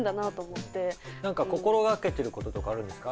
何か心がけていることとかあるんですか？